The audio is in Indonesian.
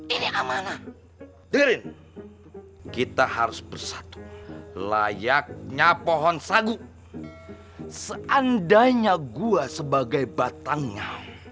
ini amanah dirin kita harus bersatu layaknya pohon sagu seandainya gua sebagai batangnya